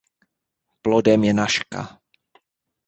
Plodem je nažka.